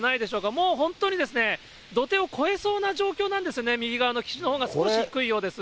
もう本当にですね、土手を超えそうな状況なんですよね、右側の岸のほうが少し低いようです。